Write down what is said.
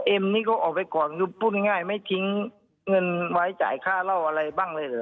เอ็มนี่ก็ออกไปก่อนไม่ทิ้งเงินไว้จ่ายค่าเล่าอะไรบ้างเลยเหรอ